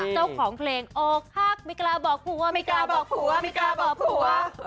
เจ้าของเพลงโอคักไม่กล้าบอกผัวไม่กล้าบอกผัวไม่กล้าบอกผัว